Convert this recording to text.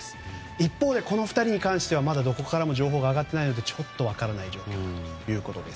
一方で、この２人に関してはまだどこからも情報が上がってないので分からない状況ということです。